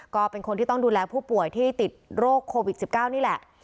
ก็เป็นคนที่ต้องดูแลผู้ป่วยที่ติดโรคโควิด๑๙นี่แหละ